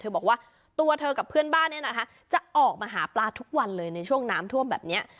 บอกว่าตัวเธอกับเพื่อนบ้านเนี่ยนะคะจะออกมาหาปลาทุกวันเลยในช่วงน้ำท่วมแบบนี้